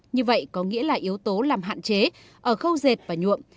như vậy có nghĩa là yếu tố làm hạn chế ở khâu dệt và nhuộm